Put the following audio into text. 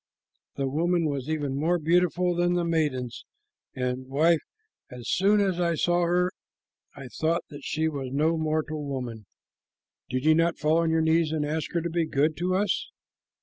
The woman was even more beautiful than the maidens, and, wife, as soon as I saw her I thought that she was no mortal woman." "Did you not fall on your knees and ask her to be good to us?"